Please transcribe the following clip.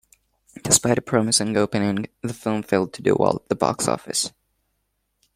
Despite a promising opening, the film failed to do well at the box office.